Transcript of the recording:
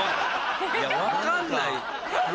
いや分かんない。